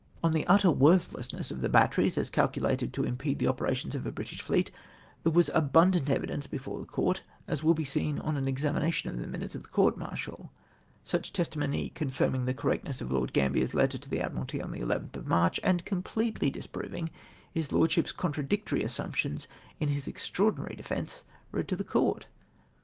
On the utter worthlessness of the batteries, as calcu lated to impede the operations of a British fleet, there was abundant evidence before the Court, as will be seen on an examination of the minutes of the court martial, such testimony confirming the correctness of Lord Gambler's letter to the Admiralty on the 11th of March, and completely disproving his Lordship's con tradictory assumptions in his extraordinary defence read to the Court.